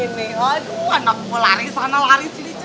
aduh anak gua lari ke sana lari ke sini cuy